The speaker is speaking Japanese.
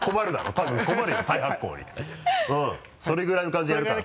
多分困るよ再発行にそれぐらいの感じでやるから。